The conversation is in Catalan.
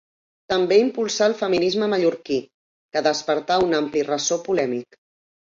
També impulsà el feminisme mallorquí, que despertà un ampli ressò polèmic.